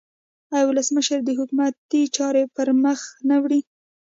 آیا ولسمشر د حکومت چارې پرمخ نه وړي؟